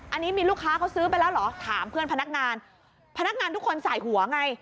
อันนี้มีลูกค้าเขาซื้อไปแล้วเหรอถามเพื่อนพนักงานพนักงานทุกคนใส่หัวไง